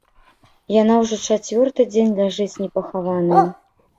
Яна ўжо чацвёрты дзень ляжыць непахаваная.